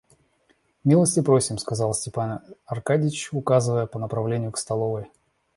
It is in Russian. Милости просим, — сказал Степан Аркадьич, указывая по направлению к столовой.